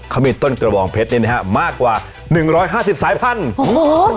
เขามีต้นกระบองเพชรเนี่ยนะครับมากกว่า๑๕๐สายพันธุ์